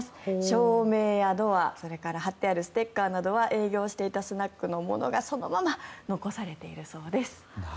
照明やドア、それから貼ってあるステッカーなどは営業していたスナックのものがそのまま残されているそうです。